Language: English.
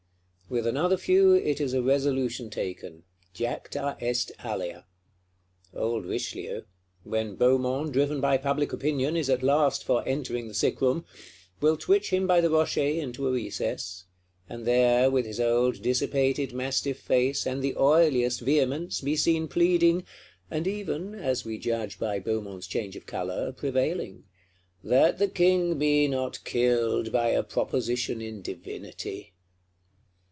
With another few, it is a resolution taken; jacta est alea. Old Richelieu,—when Beaumont, driven by public opinion, is at last for entering the sick room,—will twitch him by the rochet, into a recess; and there, with his old dissipated mastiff face, and the oiliest vehemence, be seen pleading (and even, as we judge by Beaumont's change of colour, prevailing) "that the King be not killed by a proposition in Divinity."